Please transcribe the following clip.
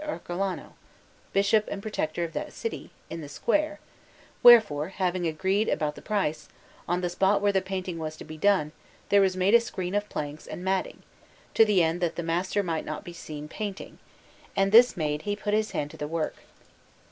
Ercolano, Bishop and Protector of that city, in the square; wherefore, having agreed about the price, on the spot where the painting was to be done there was made a screen of planks and matting, to the end that the master might not be seen painting; and this made, he put his hand to the work.